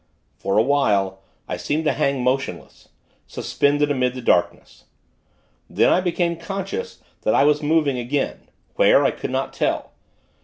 For a while, I seemed to hang, motionless; suspended amid the darkness. Then, I became conscious that I was moving again; where, I could not tell.